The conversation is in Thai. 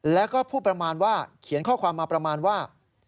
แล้วก็พูดประมาณว่าเขียนข้อความมาประมาณว่า